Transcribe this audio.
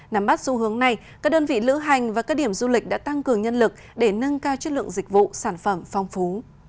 nắm bắt xu hướng này các đơn vị lữ hành và các điểm du lịch đã tăng cường nhân lực để nâng cao chất lượng dịch vụ sản phẩm phong phú